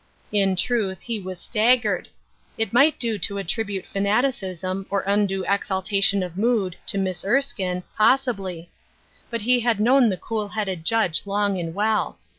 In truth, he was stag gered. It might do to attribute fanaticism, or undue exaltation of mood, to Miss Erskine, pos sibly ; but he had known the cool headed Judge long and well.